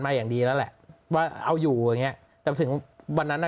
อย่างดีแล้วแหละว่าเอาอยู่อย่างเงี้ยแต่ถึงวันนั้นอ่ะ